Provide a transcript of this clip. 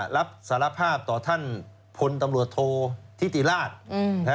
รับสารภาพต่อท่านพลตำรวจโทษธิติราช